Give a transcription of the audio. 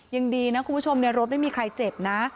ยังดีนะคุณผู้ชมในรถไม่มีใครเจ็บนะ